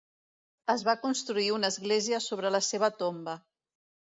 Es va construir una església sobre la seva tomba.